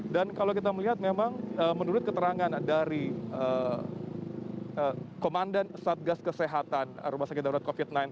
dan kalau kita melihat memang menurut keterangan dari komandan satgas kesehatan rumah sakit darurat covid sembilan belas